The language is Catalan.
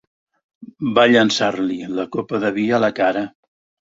Va llançar-li la copa de vi a la cara.